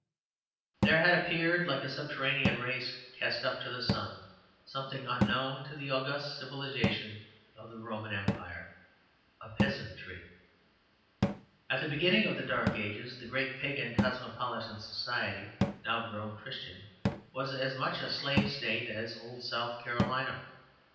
There had appeared, like a subterranean race cast up to the sun, something unknown to the august civilization of the Roman Empire a peasantry. At the beginning of the Dark Ages the great pagan cosmopolitan society now grown Christian was as much a slave state as old South Carolina.